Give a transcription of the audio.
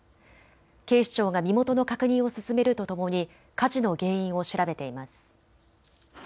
警視庁が身元の確認を進めるとともに火事の原因を調べています。